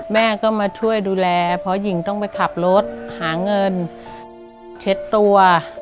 แม่ก็มาช่วยดูแลเพราะหญิงต้องไปขับรถหาเงินเช็ดตัว